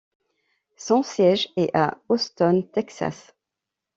Son siège est à Houston, Texas.